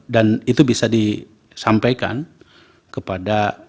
dan itu bisa disampaikan kepada